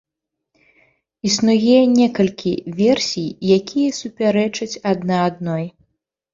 Існуе некалькі версій, якія супярэчаць адна адной.